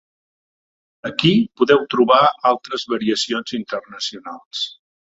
Aquí podeu trobar altres variacions internacionals.